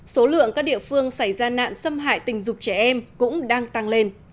số lượng các địa phương xảy ra nạn xâm hại tình dục trẻ em cũng đang tăng lên